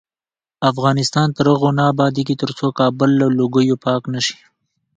افغانستان تر هغو نه ابادیږي، ترڅو کابل له لوګیو پاک نشي.